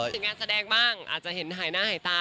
ถึงงานแสดงบ้างอาจจะเห็นหายหน้าหายตา